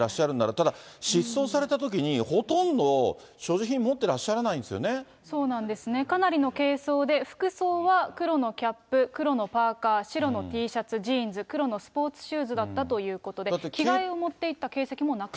ただ、失踪されたときに、ほとんど所持品、そうなんですね、かなりの軽装で、服装は黒のキャップ、黒のパーカー、白のＴシャツ、黒のジーンズ、黒のスポーツシューズだったということで、着替えを持っていった形跡もなかったと。